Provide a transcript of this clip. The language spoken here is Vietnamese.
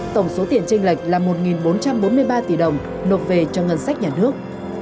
tổng số tiền tranh lệch là một bốn trăm bốn mươi ba tỷ đồng nộp về cho ngân sách nhà nước